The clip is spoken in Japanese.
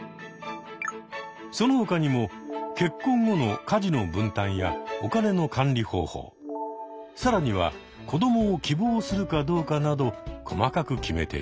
その他にも結婚後の家事の分担やお金の管理方法更には子どもを希望するかどうかなど細かく決めていく。